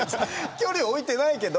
距離置いてないけど。